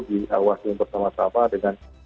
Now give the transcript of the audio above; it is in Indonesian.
diawasin bersama sama dengan